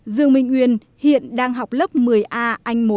dương minh uyên hiện đang học lớp một mươi a anh một